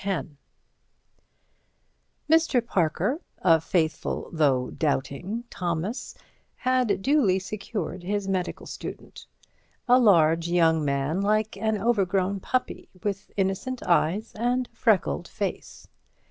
X Mr. Parker, a faithful though doubting Thomas, had duly secured his medical student: a large young man like an overgrown puppy, with innocent eyes and a freckled face.